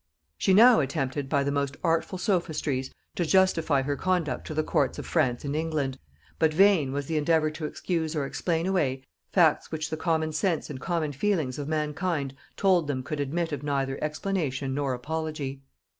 She now attempted by the most artful sophistries to justify her conduct to the courts of France and England: but vain was the endeavour to excuse or explain away facts which the common sense and common feelings of mankind told them could admit of neither explanation nor apology.